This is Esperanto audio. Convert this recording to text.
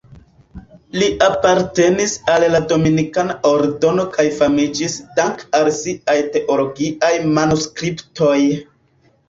Li apartenis al la Dominikana Ordeno kaj famiĝis dank'al siaj teologiaj manuskriptoj.